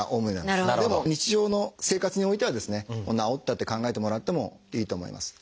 でも日常の生活においてはですねもう治ったって考えてもらってもいいと思います。